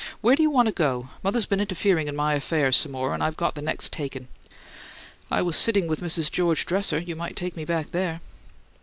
Where do you want to go? Mother's been interfering in my affairs some more and I've got the next taken." "I was sitting with Mrs. George Dresser. You might take me back there."